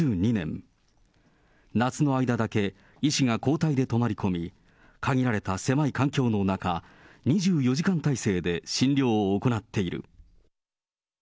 夏の間だけ、医師が交代で泊まり込み、限られた狭い環境の中、２４時間態勢で診療を行っている。